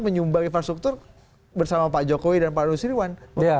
menyumbang infrastruktur bersama pak jokowi dan pak rusi rewan